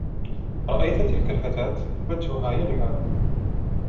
رآيت تلك الفتاة؟ وجهها يلمع.